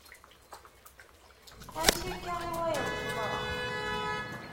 Amek akka i wayeḍ teḍra.